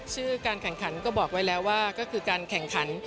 การแข่งขันก็บอกไว้แล้วว่าก็คือการแข่งขัน